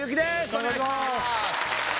お願いします！